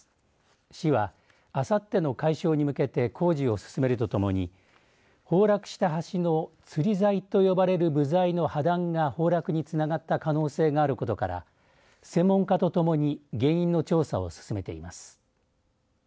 市は、あさっての解消に向けて工事を進めるとともに崩落した橋のつり材と呼ばれる部材の破断が崩落につながった可能性があることから専門家とともに原因の調査を進めています。